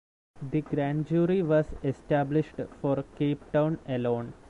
The grand jury was established for Cape Town alone.